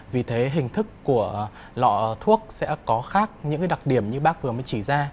vì thế hình thức của lọ thuốc sẽ có khác những cái đặc điểm như bác vừa mới chỉ ra